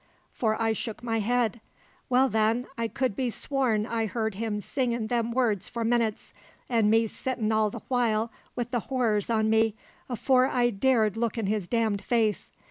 for I shook my head. "Well, then, I could be sworn I heard him singin' them words for minutes, an' me sittin' all the while wi' the horrors on me afore I dared look in his damned face.